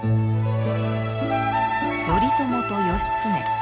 頼朝と義経。